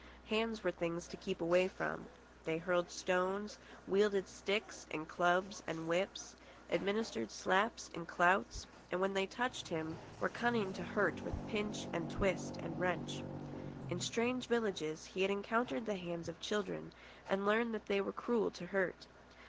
Hands were things to keep away from. They hurled stones, wielded sticks and clubs and whips, administered slaps and clouts, and, when they touched him, were cunning to hurt with pinch and twist and wrench. In strange villages he had encountered the hands of the children and learned that they were cruel to hurt.